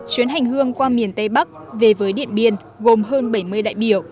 chuyến hành hương qua miền tây bắc về với điện biên gồm hơn bảy mươi đại biểu